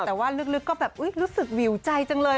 แต่ว่าลึกก็แบบรู้สึกวิวใจจังเลย